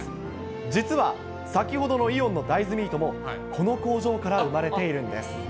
実は先ほどのイオンの大豆ミートも、この工場から生まれているんです。